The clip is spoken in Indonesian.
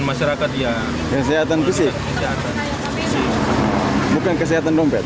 sama sekali jauh